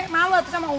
mau atuh sama umur